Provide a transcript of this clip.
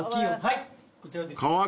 はいこちらです。